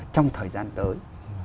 trong thời gian tới